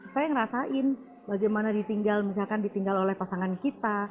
saya ngerasain bagaimana ditinggal misalkan ditinggal oleh pasangan kita